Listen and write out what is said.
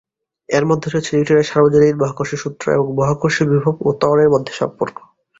এর মধ্যে রয়েছে নিউটনের সার্বজনীন মহাকর্ষ সূত্র, এবং মহাকর্ষীয় বিভব ও ত্বরণের মধ্যে সম্পর্ক।